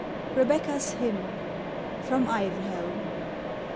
REBECCA'S HYMN. FROM " IVANHOE."